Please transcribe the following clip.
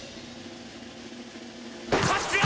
こっちよ！